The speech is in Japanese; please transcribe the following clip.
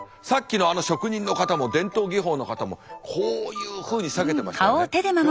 さっきのあの職人の方も伝統技法の方もこういうふうに避けてましたよね。